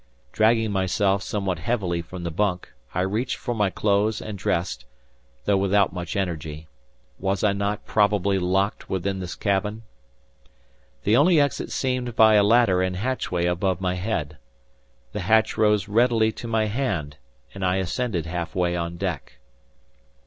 Dragging myself somewhat heavily from the bunk, I reached for my clothes and dressed, though without much energy. Was I not probably locked within this cabin? The only exit seemed by a ladder and hatchway above my head. The hatch rose readily to my hand, and I ascended half way on deck.